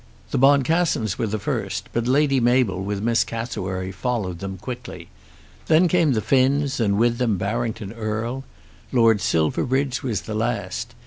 The Boncassens were the first, but Lady Mabel with Miss Cassewary followed them quickly. Then came the Finns, and with them Barrington Erle. Lord Silverbridge was the last.